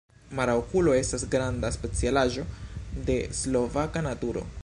Mara okulo estas granda specialaĵo de slovaka naturo.